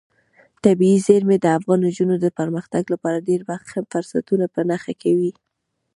طبیعي زیرمې د افغان نجونو د پرمختګ لپاره ډېر ښه فرصتونه په نښه کوي.